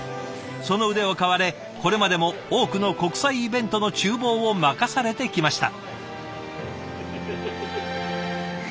その腕を買われこれまでも多くの国際イベントのちゅう房を任されてきました。